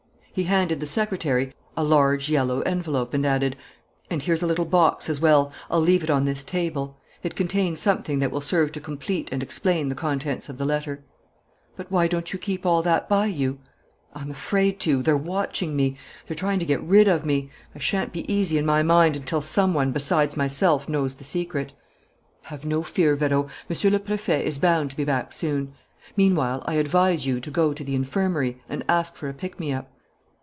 He handed the secretary a large yellow envelope and added: "And here's a little box as well; I'll leave it on this table. It contains something that will serve to complete and explain the contents of the letter." "But why don't you keep all that by you?" "I'm afraid to. They're watching me. They're trying to get rid of me. I shan't be easy in my mind until some one besides myself knows the secret." "Have no fear, Vérot. Monsieur le Préfet is bound to be back soon. Meanwhile, I advise you to go to the infirmary and ask for a pick me up."